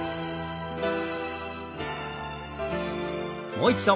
もう一度。